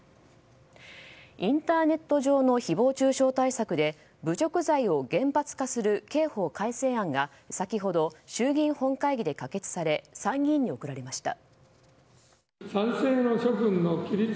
インターネット上の誹謗中傷対策で侮辱罪を厳罰化する刑法改正案が先ほど、衆議院本会議で可決され参議院に送られました。